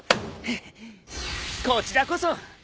こちらこそ！